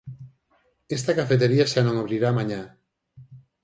Esta cafetería xa non abrirá mañá.